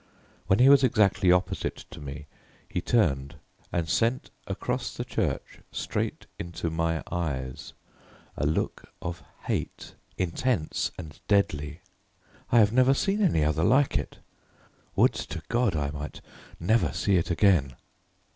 When he was exactly opposite to me, he turned and sent across the church straight into my eyes, a look of hate, intense and deadly: I have never seen any other like it; would to God I might never see it again!